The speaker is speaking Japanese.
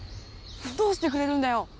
どうしてくれるんだよ！